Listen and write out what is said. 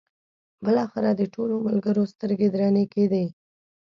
بالاخره د ټولو ملګرو سترګې درنې کېدې.